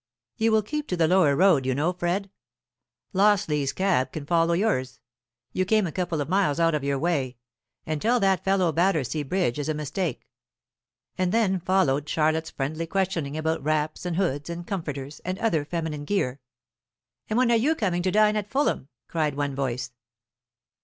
"You will keep to the lower road, you know, Fred. Lawsley's cab can follow yours. You came a couple of miles out of your way. And tell that fellow Battersea Bridge is a mistake." And then followed Charlotte's friendly questioning about wraps, and hoods, and comforters, and other feminine gear. "And when are you coming to dine at Fulham?" cried one voice.